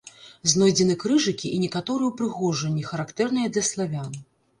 Знойдзены крыжыкі і некаторыя ўпрыгожанні, характэрныя для славян.